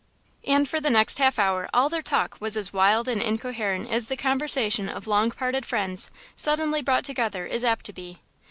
And for the next half hour all their talk was as wild and incoherent as the conversation of long parted friends suddenly brought together is apt to be.